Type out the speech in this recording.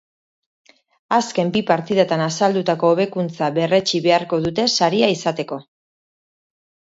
Azken bi partidatan azaldutako hobekuntza berretsi beharko dute saria izateko.